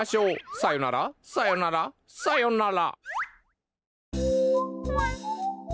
さよならさよならさよなら！